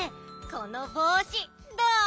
このぼうしどう？